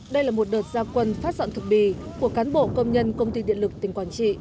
đây là một đợt gia quân phát dọn thực bì của cán bộ công nhân công ty điện lực tỉnh quảng trị